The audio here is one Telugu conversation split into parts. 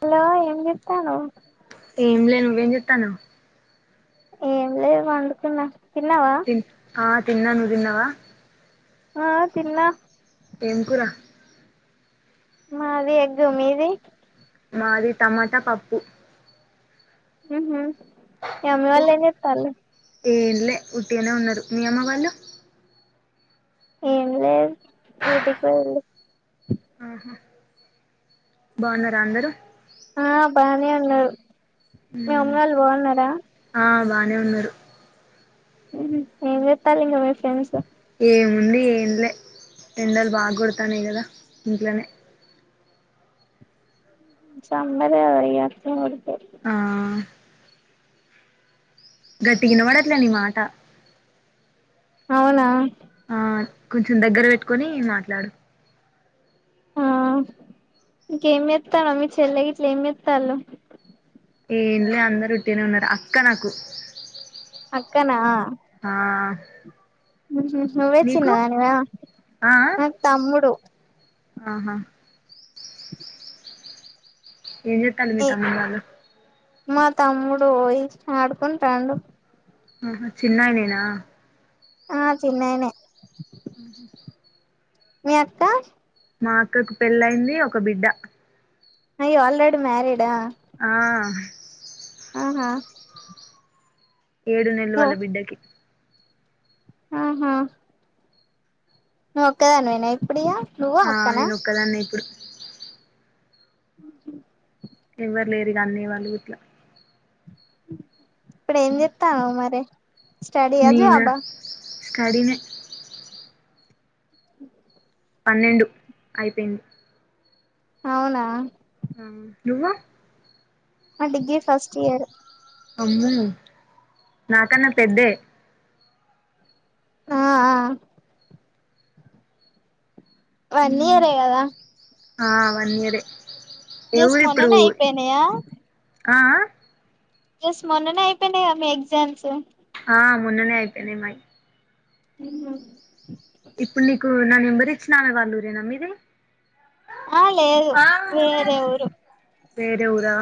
హలో ఏం చెతనవ్ నువేం జెతనవ్ ఏం లేదు వండుకున్న తిన్ ఆ తిన్న నువ్ తిన్నవా ఆ తిన్న ఏం కుర మాది ఎగ్గు మీది మాది టమాటా పప్పు ఉహు మీ మమ్మి వాళ్ ఏం జేతలు ఏంలే ఉట్టిగానే ఉన్నారు మీ అమ్మ వాళ్ళు ఏం లేద్ డ్యూటీ కి ఓయిల్లు ఆహా బాగున్నారా అందరూ ఆ బనే ఉన్నారు మీ అమ్మ వాళ్ళు బాగున్నారా నే ఉన్నరు ఉహు ఏం జేతలు ఇంగ మీ ఫ్రెండ్సు ఏముంది ఇగ ఏంలే ఎండలు బాకొడతానయ్ కదా ఇంట్లనే సౌందర్య ఇగ అట్లా మరి ఆ గట్టి ఇనబడట్లే నీ మాట అవునా ఆ కొంచెం దగ్గర పెట్టుకొని మాట్లాడు ఆ ఇంకేం జేతనావ్ మీ చెల గిట్ల ఏం జేతలు ఏంలే అందరు రుట్టినే ఉన్నారు అక్క నాకు అక్కనా ఆ నువ్వే నీకు చిన్నదానివా ఆ నాకు తమ్ముడు ఆహా ఏం జేతలు మీ ఏ తమ్ముని వాళ్ళు మా తమ్ముడు పోయి ఆడుకుంటండు ఆహ చిన్నడేనా ఆ చిన్నైనే ఉహు మీ అక్క మా అక్కకు పెళ్ళయింది ఒక బిడ్డ అయ్యో ఆల్రెడీ మ్యారీడా ఆ ఆహా ఏడు నెలలు వాల్ల నువ్ బిడ్డకి ఆహా ను ఒక్కదానీవేనా ఇప్పుడిగా ఆ నేను ఒక్కదాన్నె ఇప్పుడు ఎవ్వరు లేరుగా అన్నయ్య వాళ్ళు ఇట్ల ఇప్పుడు ఏం చేత్తానవు మరి స్టడీ యా జాబ్ ఆ కడినే అ పన్నెండు అయిపోయింది అవునా ఆ నువ్వు మా డిగ్రీ ఫస్ట్ ఇయర్ అమ్మో నాకన్నా పెద్దే ఆ ఆ వన్ మ్ ఇయర్ ఏ గదా ఆ వన్ ఇయరే ఏ దేస్ మొన్ననే అయిపోయినయా ఆఅ జస్ట్ మొన్ననే అయిపోనయి అన్ని ఎగ్జాంమ్స్ ఆ మొన్ననే అయిపోనాయి మావి ఇంగా ఇప్పునిక్ నా నెంబర్ ఇచ్చిన వాళ్ళు ఊరేనా మీది ఆ లేదు ఆ వేరే ఊరు వేరే ఊరా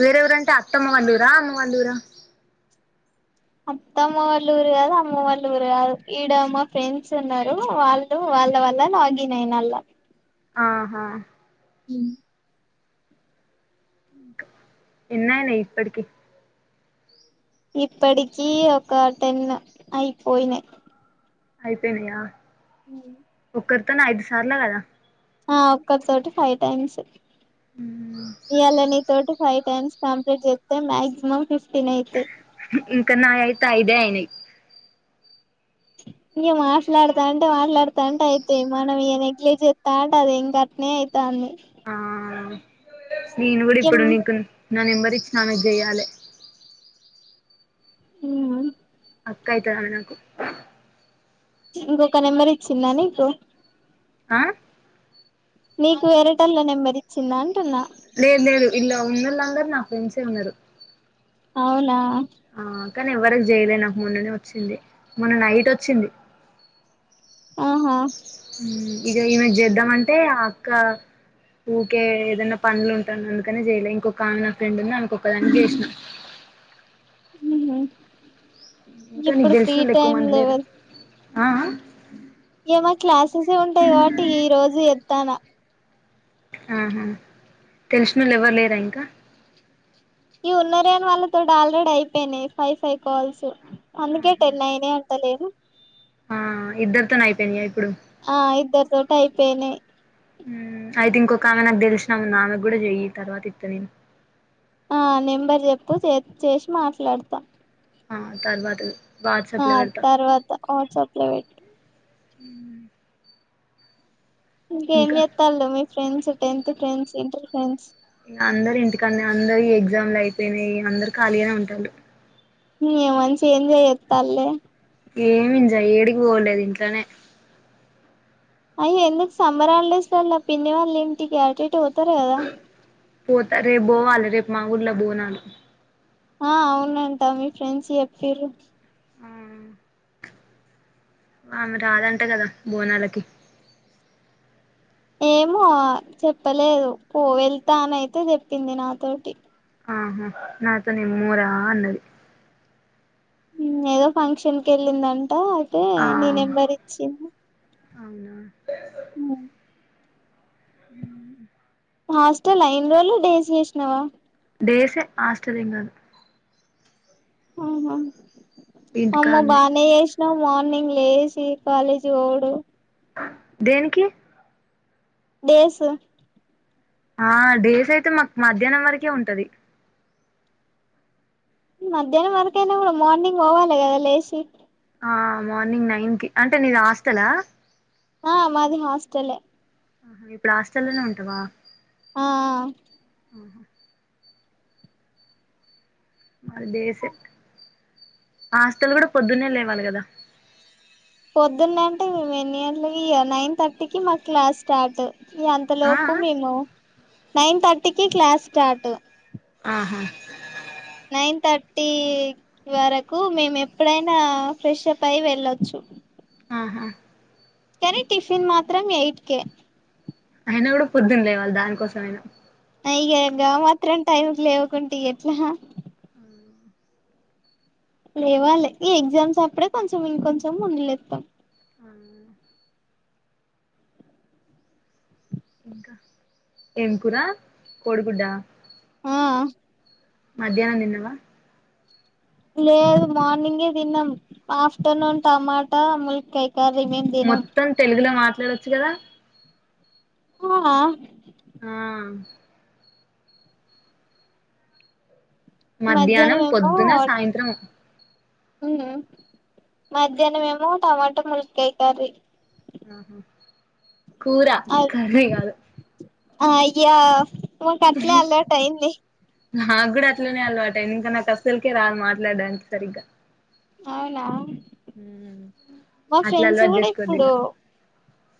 వేరే ఎవరంటే అత్తమ్మ వాళ్ళ ఊర అమ్మ వాళ్ళ ఊర అత్త అమ్మ వాళ్ళ ఊరు కాదు. అమ్మ వాళ్ళ ఊరు కాదు. ఈడ మా ఫ్రెండ్స్ ఉన్నారు. వాళ్ళు వాళ్ళ వల్ల లాగిన్ అయిన అళ్ళ ఆహా అ ఎన్నయినాయి ఇప్పటికి ఇప్పటికి ఒక టెన్ అయిపోయినై అయిపోయినయా హు కడతనా ఐదు సార్లు కడ ఆ ఒక్కరి తోటి ఫైవ్ టైమ్స్ ఇయ్యాల తొటే ఫైవ్ టైమ్స్ కంప్లీట్ చేస్తే మ్యాక్సిమమ్ ఫిఫ్టీన్ అయితై ఇంకా నా అయితే అయిదే అయినై ఇక మాట్లాడుతా అంటే మాట్లాడుతా అంటే, అయితేయి మనం ఇక నెగ్లెక్ట్ చేస్తా అంటే, అది ఇం గట్నే అయితంది. ఆ నేను కూడా ఏం ఇప్పుడు నిను నా నెంబర్ ఇచ్చిన ఆమెకి జెయాల ఉహు పక్కయితద నాకు ఇంకొక నెంబర్ ఇచ్చిందా నీకు ఆ నీకు వేరేటల్ల నెంబర్ ఇచ్చిందా అంటున్నా లేదు లేదు ఇలా ఉన్నలాందరు నా ఫ్రెండ్సే ఉన్నారు అవునా ఆ కానీ ఎవ్వరికి చేయలే నాకు మొన్ననే వచ్చింది మొన్న నైట్ వచ్చింది ఆహా ఇక ఈమెకి చేద్దాం అంటే ఆ అక్క ఊకే ఏదైనా పనిలో ఉంటాను అందుకని చేయలే ఇంకొక ఆమె నా ఫ్రెండ్ ఉంది అనకొకదానికే చేసినా హ ఇప్పుడు ఫ్రీ టైమ్ లెవల్ అ ఆ మా క్లాస్ వసే ఉంటాయి కాబట్టి ఈ రోజు త్తన ఆహా తెలిషినలు ఎవరు లేరా ఇంకా ఇ ఉన్నర గాని వాళ్ళతోటి ఆల్రెడీ అయిపోయినాయి ఫైవ్ ఫైవ్ కాల్స్ అందుకే టెన్ నైనే అంటలేను ఆ ఇద్దరు తన అయిపోయినియి ఆ ఇద్దరి తో అయిపోయినే హుమ్ అయితే ఇంక ఒక ఆమె నాకు తెలిసినాముంది ఆమె కూడా చెయ్యి తర్వాత ఇస్త నేను ఆ నెంబర్ చెప్పు చేసి మాట్లాడతా ఆ తర్వాత ఆ వాట్సాప్లో పెడతా తర్వాత వాట్సప్ లో పెట్టు [inaudible] ఇంకా గేమి ఎత్తల్ మీ friends tenth friends inter friends అందరు ఇంటికని అందరు ఈ ఎగ్జామ్లు అయిపోయినాయి అందరు ఖాళీగానే ఉంటారు న మంచి ఏంజయ ఇత్తా అల్లే ఏమింజ ఏడికి పోలేదు ఇంట్లోనే అయ్య ఎందుకు సమ్మర్ హాలిడేస్ లాలా పిన్ని వాళ్ళు ఇంటికి అటు ఇటు పోతార కదా పోతారు రేపు పోవాలి రేపు మా ఊర్లో బోనాలు ఆ అవునంట మీ ఫ్రెండ్స్ చెప్పిరు ఆ ఆమె రాదంట కదా బోనాలకి ఏమో ఆ చెప్పలేదు పో వెళ్తానయితే చెప్పింది నాతోటి ఆహా నాతో నిమ్మూరా అన్నది ఏదో ఫంక్షన్ కి వెళ్ళిందండి అ అదే ఆ నీ నెంబర్ ఇచ్చింది అవునా హు ఉ హాస్టల్ అయిన రోజులు డేస్ వేస్నవా డేస్ ఆశ్చర్యం కాదు ఉ హు అమ్మో ఇంటికాన్నే బానే ఏష్ [unintelligible] మార్నింగ్ లేసి కాలేజీ పోవుడు దేనికి డేష్ ఆ డేస్ అయితే మాకు మధ్యాహ్నం వరకే ఉంటది మధ్యాహ్నం వరకైనా కూడా మార్నింగ్ పోవాలి కదా లేచి ఆ మార్నింగ్ నైన్ కి అంటే నీది హాస్టలా ఆ మాది హాస్టల్ లే ఉ ఇప్పుడు హాస్టల్లోనే ఉంటావా ఆ మాది డేసే హాస్టల్లో కూడా పొద్దున్న లేవాలి కదా పొద్దున్న అంటే మేము ఎన్ని గంటలకి ఇగ నైన్ థర్టీకి మా క్లాస్ స్టార్ట్ ఆ అంతలోపు మేము నైన్ తర్టీకి క్లాస్ స్టార్ట్ ఆహా నైన్ థర్టీ ఈ ఇదివరకు మేము ఎప్పుడైనా పొద్దునఫ్రెషప్ అయి వెళ్ళొచ్చు ఆహా కానీ టిఫిన్ మాత్రం ఎయిట్ కె అయినా కూడా పొద్దున్న లేవాలి దాని కోసమైనా అయ్యో గా మాత్రం టైంకి లేవకుంటే ఎట్లా లేవాలి ఈ ఎగ్జామ్స్ అప్పుడే కొంచెం ఇంకొంచెం ముందులేస్తాం హు ఇంకా ఏం కూర కోడిగుడ్డా ఆ ఆ మధ్యాహ్నం తిన్నవా లేదు మార్నింగే తిన్నాం ఆఫ్టర్నూన్ టమాటా ములక్కాయ కర్రీ మేం తినం మొత్తం తెలుగులో మాత్రం వెళ్లొచ్చు కదా ఆ ఆ మధ్యాహ్నం పొద్దున సాయంత్రం హు మధ్యాహ్ననేమో టమాటో ములక్కాయ కర్రీ ఆహా కూర కర్రీ కాదు అయ్యో మాకు అట్నే అలవాటయింది నాకు కూడా అట్లనే అలవాటు అయింది ఇంకా నాకు అసలకే రాని మాట్లాడడానికి సరిగ్గా అవునా ఉమ్. మా అట్లా ఫ్రెండ్స్ అలవాటు కూడా చేసుకోవద్దు ఇప్పుడు ఇలా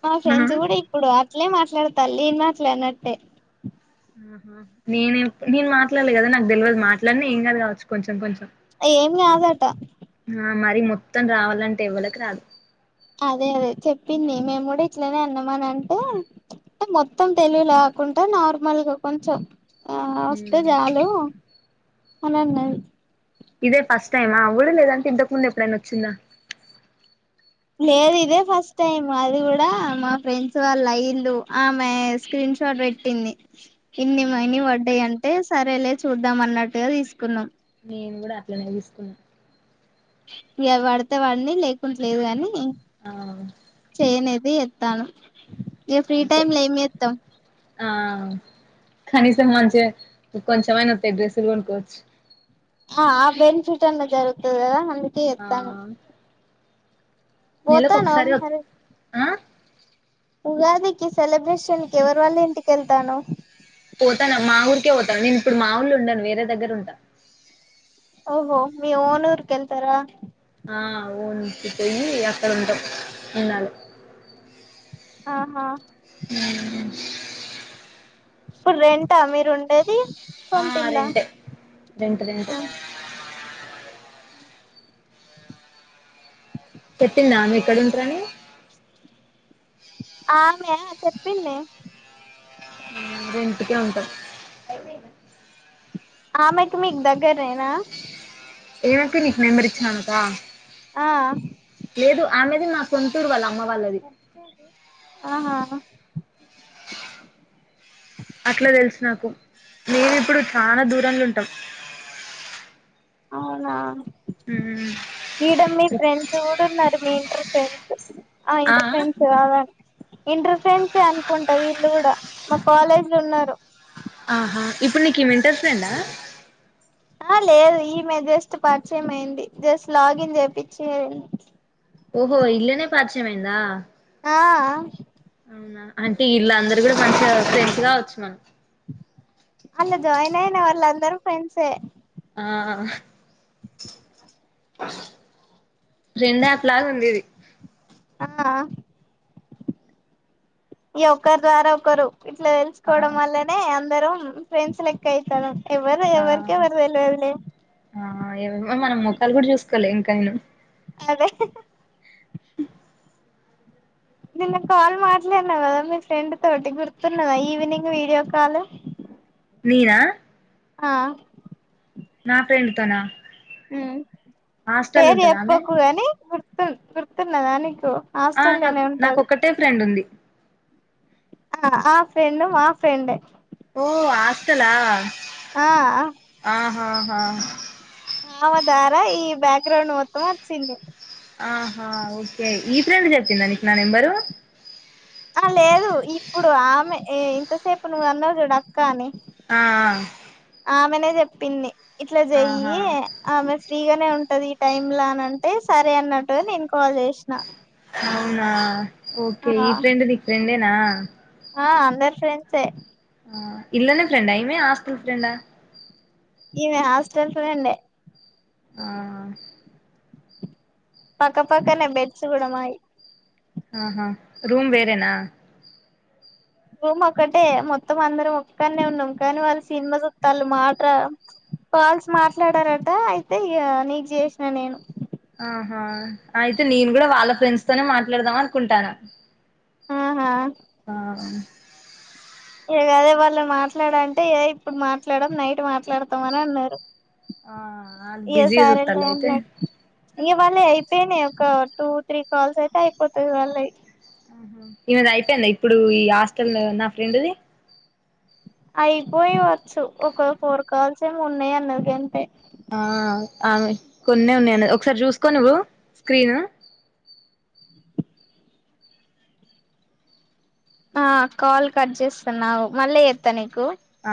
మా ఆహా ఫ్రెండ్స్ కూడా ఇప్పుడు అట్లే మాట్లాడుత తల్లి మాట్లనట్టే ఆహ నేనే నేను మాట్లాడలే కదా నా తెలివదు మాట్లాడనే ఏం కావచ్చ కొంచెం కొంచెం ఏం కాదట ఆ మరి మొత్తం రావాలంటే ఎవరికి రాదు అదే అదే చెప్పింది మేము కూడా ఇట్లనే అన్నామని అంటే మొత్తం తెలుగు లో కాకుండా నార్మల్గా కొంచెం ఆ వస్తే ఉమ్. చాలు అనిన్నా ఇదే ఫస్ట్ టైమా అవుడ లేదంటే ఇంతకు ముందు ఎప్పుడైనా వచ్చిందా లేదు ఇదే ఫస్ట్ టైం అది కూడా మా ఫ్రెండ్స్ వాళ్ళు అయిదు ఆమె స్క్రీన్ షాట్ పెట్టింది ఇన్ని ఆహా మని పడ్డాయంటే సరేలే చూద్దాం అన్నట్టుగా తీసుకున్నాం నేను కూడా అట్లనే తీసుకున్నా వాడితే వాడిని లేకుం లేదు గాని ఆ అది ఎత్తను ఇగ ఫ్రీ అంతే టైమ్ లో ఏం చేస్తావ్ ఆ కనీసం మంచిగా కొంచెమైనా డ్రెస్సులు కొనుక్కోవచ్చు ఆ ఆ బెనిఫిట్ అన్నా జరుగుతుద అందు కి ఆ ఎత్తనా నెలకు పోతాను ఒకసారి అమ్ వ సరే ఆ ఉగాదికి సెలబ్రేషన్ కి ఎవరి వాళ్ళ ఇంటికెళ్తాను పోతాను మా ఊరికే పోతాను నేను ఇప్పుడు మా ఊర్ళ ఉండను వేరే దగ్గర ఉంటా ఓహో మీ ఓనూర్కెళ్తారా ఓన్చ్ పోయి అక్కడ ఉంటాం ఉన్నాలి ఆహా అ ఇప్పుడు రెంటా మీరు ఉండేది ఆ సొంతిల్లా రెంటే రెంట రెంట పెట్టిందమె ఎక్కడుంటారని ఆమె చెప్పింది ఇంటికే ఉంటా ఆమెకి మీకు దగ్గరేనా ఈమెకి నీకు నంబర్ ఇచ్చిన ఆమెకా ఆ లేదు ఆమెది మా సొంతూరు వాళ్ళ అమ్మ వాళ్ళది ఆహా అట్లా తెలుసు నాకు మేమి ఇప్పుడు చనా దూరంలో ఉంటాం అవున మ్మ్ ఈడ మీ ఫ్రెండ్స్ కూడా ఉన్నారు మీ ఇంటర్ ఫ్రెండ్స్ ఆ ఇంటర్ ఫ్రెండ్స్ కాద ఇంటర్ ప్రెండ్సఅనుకుంటా వీళ్ళు కూడా మా కాలేజ్ లో ఉన్నారు ఆహా ఇప్పుడు నీకు వినిపింఛలేధా ఆ లేదు ఈమెే జస్ట్ పరిచయం అయంంది జస్ట్ లాగిన్ చేయిించేడి ఓహో ఇరోజె పరిచయమైంధ ఆ అవునా అంటే ఇీళ్ళ అందరు కూడా మంచిగా ఫ్రెంస్ గావచ్చు అళ్లా జాయిన్ అయిన వాళ్ళ అందరూ ఫ్రెండ్సే ఆ రెండ్ యాప్ లాగ ఉంది ఇది ఆమ్మో ఒకరి ద్వారా ఒకరు ఇట్లా ఆ తెలుసుకోవడం వల్లనే అ మనం ఫ్రెండ్స్ లెక్క అయితాన్నం ఎవరు ఆ ఎవరికే ఎవరు తెలియదులే ఆ ఎవరొ మనం ముఖాలు కూడా చూసుకోలే ఇంకాయను అదే నిన్న కాల్ మాట్లాడినా కదా మీ ఫ్రెండ్ తోటి గుర్తున్నదా ఈవినింగ్ వీడియో కాల్ నినా ఆ నా ఫ్రెండ్ తనా ఉ పేరు ఉంటదా ఆమె చెప్పాకు గాని గుర్తు తున్ గుర్తున్నాద నీకు ఆ హాస్టల్లోనే నాకు ఉంటది నాకొక్కటే ఫ్రెండ్ ఉంది ఆ ఆ ఫ్రెండ్ మా ఫ్రెండ్ ఓ ఆత్తాలా ఆ ఆ ఆ ఆ ద్వారా ఈ బ్యాక్ గ్రౌండ్ మొత్తం వచ్చింది ఆహా ఓకే ఈ ఫ్రెండ్ చెప్పింద నీకు నా నెంబరు ఆ లేదు ఇప్పుడు ఆమె ఇంతసేపు నువ్వు అన్నవు చూడు అక్క అని ఆ ఆమెనే చెప్పింది ఇట్లా ఆ ఆహా చెయ్యి ఆమె ఫ్రీగానే ఉంటాది ఈ టైమ్ లో అని అంటే సరే అన్నట్టుగా నేను కాల్ చేసిన అవునా ఆ ఓకే ఈ ప్రెండ్ నీకు ఫ్రెండ్ ఎ నా ఆ అందరు ఫ్రెండ్సే ఏ ఇల్లనే ఫ్రెండ్ అయ్యిందా హస్టల్ ఫ్రెండా ఇమె హాస్టల్ ఫ్రెండే ఆ పక్కపక్కనే బెడ్స్ కూడా మాయి ఆహా రూమ్ వేరేనా రూమ్ ఒక్కటే, మొత్తం అందరం ఒక్కనే ఉన్నాం కానీ వాళ్ళు సినిమా చుత్తళ్ళు, మాట కాల్స్ మాట్లాడారట అయితే ఇ నీకు చేసిన నేను ఆహా అయితే నేను కూడా వాళ్ళ ఫ్రెండ్స్ తోనే మాట్లాడదాం అనుకుంటాను ఆహా ఆ ఇగ అదే వాళ్ళ మాట్లాడ అంటే ఏద ఇప్పుడు మాట్లాడం, నైట్ మాట్లాడతాం అని అన్నారు ఆ అ బిజీ ఇరుత్తలా అయితే ఇక వాళ్ళ అయిపోయినాయి ఒక టూ త్రీ కాల్స్ అయితే అయిపోతది వాళ్ళయి ఆహ ఈమెద అయిపోయిందా ఇప్పుడు ఈ హాస్టల్ నా ఫ్రెండ్ది అయిపోయవచ్చు ఒక ఫోర్ కాల్స్ ఏమి ఉన్నాయి అన్నది కంటే ఆమె కొన్ని ఉన్నాయంన్న ఒకసారి చూసుకోని ఇవ్డు స్క్రీను ఆ కాల్ కట్ చేస్తాను నావు మళ్ళీ చేత్తా నీకు ఆ